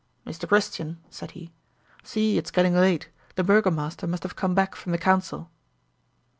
"Mr. Christian," said he, "see it's getting late the burgomaster must have come back from the council."